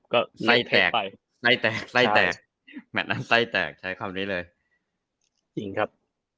ก็ไส้แตกไส้แตกไส้แตกแมทนั้นไส้แตกใช้คำนี้เลยจริงครับ